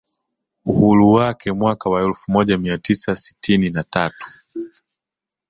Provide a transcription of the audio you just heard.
Uhuru wake mwaka wa elfu moja mia tisa sitini na tatu